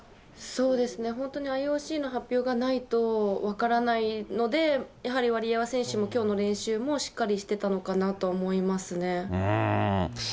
そうですね、本当にＩＯＣの発表がないと分からないので、やはりワリエワ選手もきょうの練習もしっかりしてたのかなと思いますね。